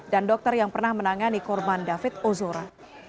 dan dokter yang pernah menangani korban david ozora